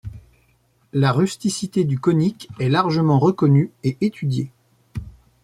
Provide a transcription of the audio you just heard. La rusticité du Konik est largement reconnue et étudiée.